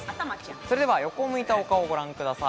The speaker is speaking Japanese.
それでは、横を向いたお顔をご覧ください。